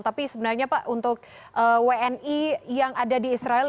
tapi sebenarnya pak untuk wni yang ada di israel